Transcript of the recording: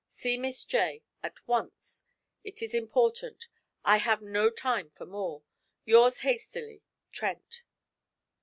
See Miss J at once; it is important. I have no time for more. 'Yours hastily, 'TRENT.'